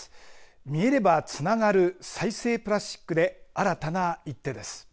見えればつながる再生プラスチックで新たな一手です。